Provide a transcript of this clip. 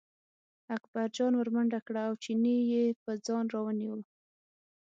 اکبرجان ور منډه کړه او چینی یې په ځان راونیوه.